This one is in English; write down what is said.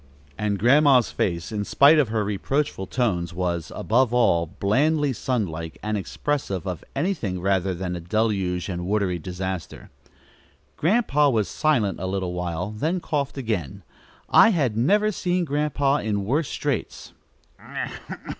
And Grandma's face, in spite of her reproachful tones, was, above all, blandly sunlike and expressive of anything rather than deluge and watery disaster. Grandpa was silent a little while, then coughed again. I had never seen Grandpa in worse straits.